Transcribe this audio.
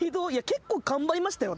結構頑張りましたよ